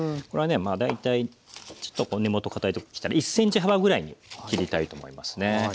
これはねまあ大体ちょっと根元かたいとこ切ったら１ｃｍ幅ぐらいに切りたいと思いますね。